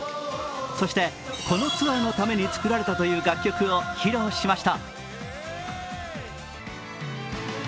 そして、このツアーのために作られたという楽曲を披露しました。